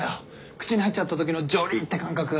口に入っちゃったときのじょりって感覚。